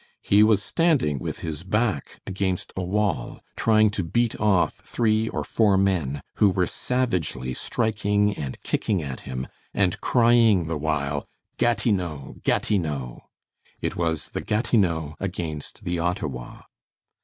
He was standing with his back against a wall trying to beat off three or four men, who were savagely striking and kicking at him, and crying the while: "Gatineau! Gatineau!" It was the Gatineau against the Ottawa.